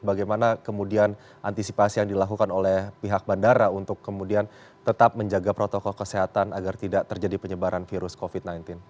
bagaimana kemudian antisipasi yang dilakukan oleh pihak bandara untuk kemudian tetap menjaga protokol kesehatan agar tidak terjadi penyebaran virus covid sembilan belas